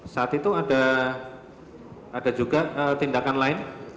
saat itu ada juga tindakan lain